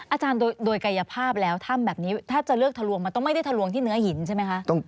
อาจารย์โดยกายภาพแล้วถ้ำแบบนี้ถ้าจะเลือกทะลวงมันต้องไม่ได้ทะลวงที่เนื้อหินใช่ไหมคะ